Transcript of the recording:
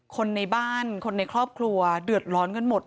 คนในบ้านคนในครอบครัวเดือดร้อนกันหมด